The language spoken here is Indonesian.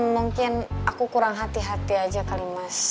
mungkin aku kurang hati hati aja kali mas